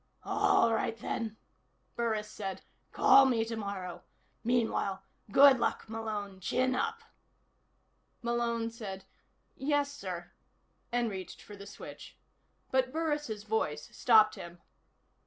"All right, then," Burris said. "Call me tomorrow. Meanwhile good luck, Malone. Chin up." Malone said: "Yes, sir," and reached for the switch. But Burris' voice stopped him.